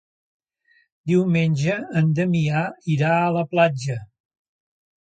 Diumenge en Damià irà a la platja.